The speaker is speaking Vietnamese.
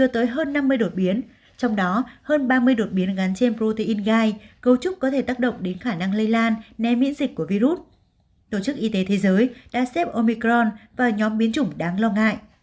tổ chức y tế thế giới đã xếp omicron vào nhóm biến chủng đáng lo ngại